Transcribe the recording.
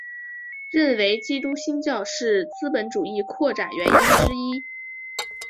认为基督新教是资本主义扩展原因之一。